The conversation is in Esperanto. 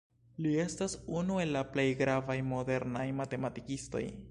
Li estas unu el la plej gravaj modernaj matematikistoj.